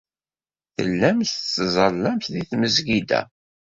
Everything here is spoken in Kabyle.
Tellamt tettẓallamt deg tmesgida.